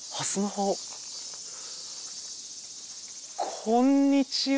こんにちは。